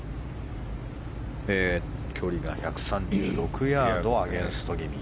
距離が１３６ヤードアゲンスト気味。